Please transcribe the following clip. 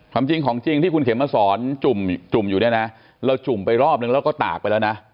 ความจริงของจริงที่คุณเข็มมาสอนจุ่มอยู่เนี่ยนะเราจุ่มไปรอบนึงแล้วก็ตากไปแล้วนะ